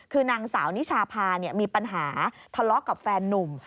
คือนางสาวนิชาพามีปัญหาทะเลาะกับแฟนนุ่ม